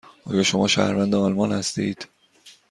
آیا شما شهروند آلمان هستید؟